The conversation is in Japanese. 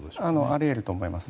あり得ると思います。